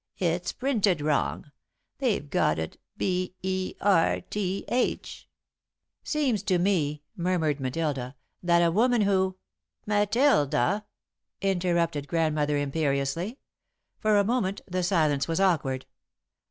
"It's printed wrong. They've got it b e r t h." "Seems to me," murmured Matilda, "that a woman who " "Matilda!" interrupted Grandmother, imperiously. For a moment the silence was awkward.